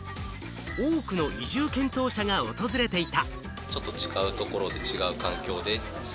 多くの移住検討者が訪れていた。